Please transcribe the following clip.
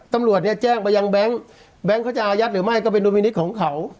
ตำรวจเนี่ยแจ้งไปยังแบงค์แบงค์เขาจะอายัดหรือไม่ก็เป็นดุลพินิษฐ์ของเขา